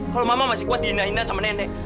kalau mama masih kuat dihina indah sama nenek